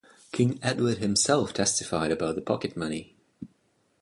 King Edward himself testified about the pocket money.